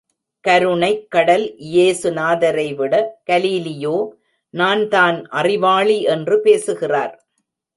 கருணைக்கடல் இயேசு நாதரை விட, கலீலியோ நான் தான் அறிவாளி என்று பேசுகிறார்!